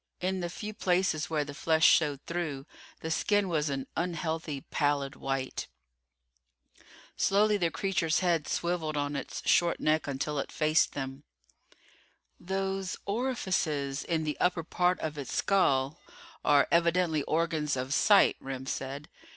In the few places where the flesh showed through the skin was an unhealthy, pallid white. Slowly the creature's head swiveled on its short neck until it faced them. "Those orifices in the upper portion of its skull are evidently organs of sight," Remm said.